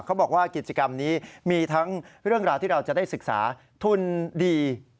เขาบอกว่ากิจกรรมนี้มีทั้งเรื่องราวที่เราจะได้ศึกษาทุนดี